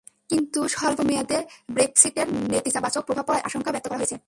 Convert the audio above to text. কিন্তু স্বল্প মেয়াদে ব্রেক্সিটের নেতিবাচক প্রভাব পড়ার আশঙ্কাও ব্যক্ত করা হয়েছে।